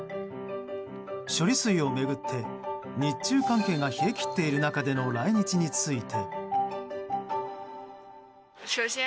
処理水を巡って日中関係が冷え切っている中での来日について。